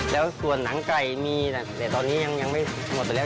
แล้วส่วนหนังไก่มีแต่ตอนนี้ยังไม่หมดไปแล้ว